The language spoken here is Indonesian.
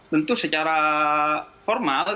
tentu secara formal